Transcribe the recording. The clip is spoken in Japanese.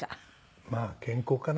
まあ健康かな。